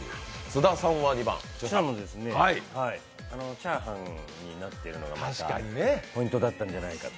チャーハンになっているのがまたポイントだったんじゃないかと。